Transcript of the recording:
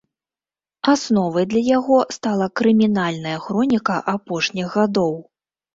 Асновай для яго стала крымінальная хроніка апошніх гадоў.